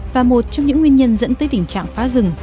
và một trong những nguyên nhân dẫn tới tình trạng phá rừng